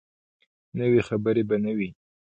نوي خبرې به نه وي.